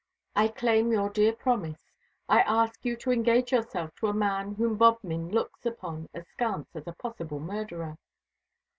I claim your dear promise. I ask you to engage yourself to a man whom Bodmin looks upon askance as a possible murderer.